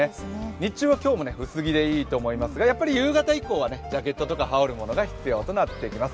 日中は今日もね、薄着でいいと思いますが夕方以降はジャケットとか羽織るものが必要となってきます。